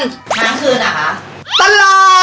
ช้างคืนน่ะคะ